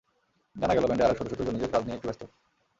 জানা গেল, ব্যান্ডের আরেক সদস্য তুর্য নিজের কাজ নিয়ে একটু ব্যস্ত।